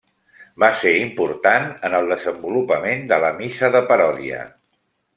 Va ser important en el desenvolupament de la missa de paròdia.